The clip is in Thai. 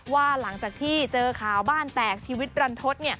ว่าหลังจากที่เจอข่าวบ้านแตกชีวิตรันทศ